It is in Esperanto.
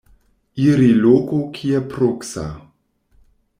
Iri loko kie proksa.